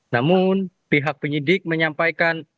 namun pihak penyidik menyampaikan